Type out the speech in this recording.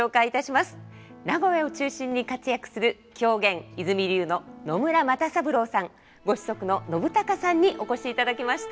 名古屋を中心に活躍する狂言和泉流の野村又三郎さんご子息の信朗さんにお越しいただきました。